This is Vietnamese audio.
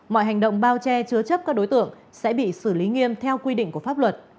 mọi hành động bao che chứa chấp các đối tượng sẽ bị xử lý nghiêm theo quy định của pháp luật